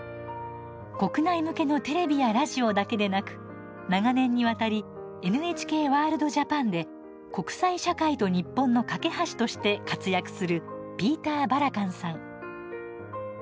国内向けのテレビやラジオだけでなく長年にわたり「ＮＨＫワールドＪＡＰＡＮ」で国際社会と日本の懸け橋として活躍するピーター・バラカンさん。